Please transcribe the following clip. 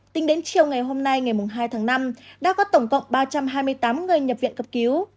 tính đến chiều ngày hôm nay ngày hai tháng năm đã có tổng cộng ba trăm hai mươi tám người nhập viện cấp cứu